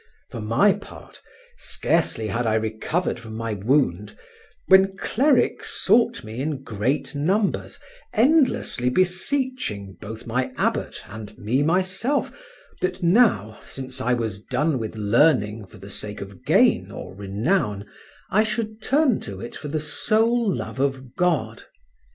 For my part, scarcely had I recovered from my wound when clerics sought me in great numbers, endlessly beseeching both my abbot and me myself that now, since I was done with learning for the sake of gain or renown, I should turn to it for the sole love of God.